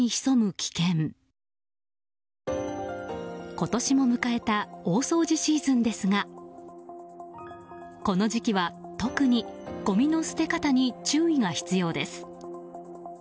今年も迎えた大掃除シーズンですがこの時期は特にごみの捨て方に注意が必要です。